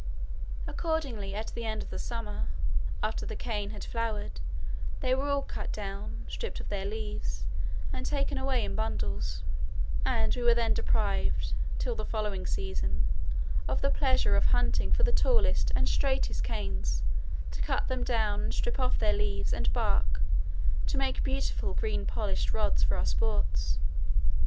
Accordingly at the end of the summer, after the cane had flowered, they were all cut down, stripped of their leaves, and taken away in bundles, and we were then deprived till the following season of the pleasure of hunting for the tallest and straightest canes to cut them down and strip off leaves and bark to make beautiful green polished rods for our sports.